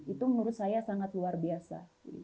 itu menurut saya sangat luar biasa